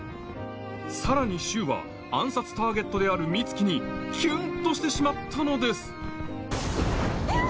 さらに柊は暗殺ターゲットである美月にキュンとしてしまったのですひゃあ！